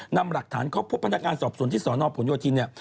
นำหลักฐานเข้าพบพนักงานสอบสวนที่สนผลโยธินเนี่ย